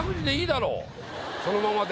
そのままで。